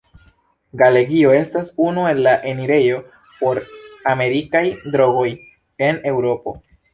Galegio estas unu el la enirejo por amerikaj drogoj en Eŭropo.